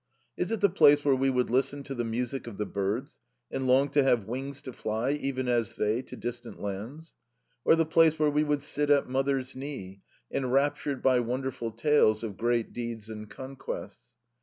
Is it the place where we would listen to the music of the birds, and long to have wings to fly, even as they, to distant lands? Or the place where we would sit at mother's knee, enraptured by wonderful tales of great deeds and conquests?